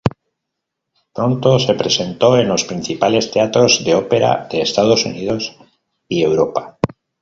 Pronto se presentó en los principales teatros de ópera de Estados Unidos y Europa.